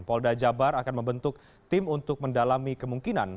polda jabar akan membentuk tim untuk mendalami kemungkinan